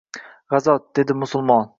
G’azot, dedi musulmon.